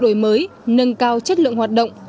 đổi mới nâng cao chất lượng hoạt động